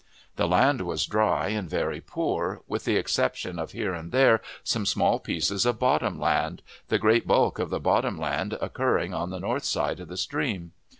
The land was dry and very poor, with the exception of here and there some small pieces of bottom land, the great bulk of the bottom land occurring on the north side of the stream.